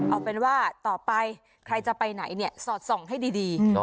เอาเป็นว่าต่อไปใครจะไปไหนเนี่ยสอดส่องให้ดี